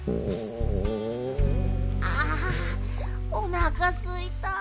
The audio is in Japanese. あおなかすいた。